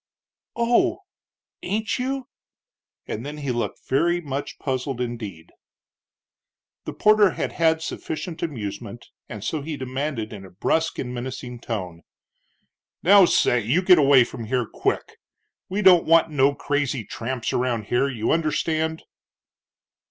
"Oh, ain't you?" and then he looked very much puzzled indeed. The porter had had sufficient amusement, and so he demanded, in a brusque and menacing tone, "Now, say you get away from here quick! We don't want no crazy tramps around here. You understand?"